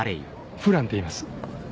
フランっていいます。